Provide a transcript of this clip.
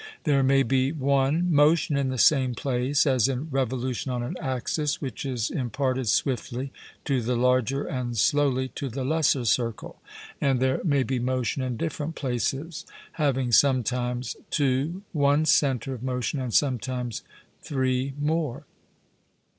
There may be (1) motion in the same place, as in revolution on an axis, which is imparted swiftly to the larger and slowly to the lesser circle; and there may be motion in different places, having sometimes (2) one centre of motion and sometimes (3) more.